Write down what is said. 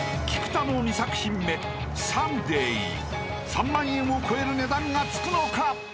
［３万円を超える値段がつくのか？］